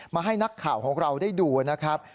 ให้นักข่าวของเราได้ดูนะครับ